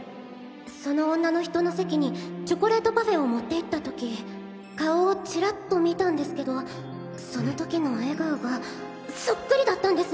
その女の人の席にチョコレートパフェを持って行った時顔をチラッと見たんですけどその時の笑顔がそっくりだったんです！